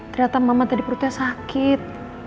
ternyata mama tadi perutnya sakit